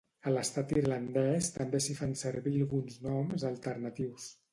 A l'estat irlandès també s'hi fan servir alguns noms alternatius.